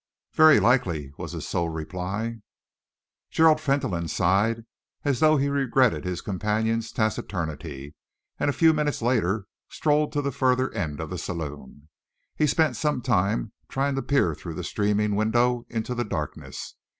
"Very likely," was his sole reply. Gerald Fentolin sighed as though he regretted his companion's taciturnity and a few minutes later strolled to the farther end of the saloon. He spent some time trying to peer through the streaming window into the darkness.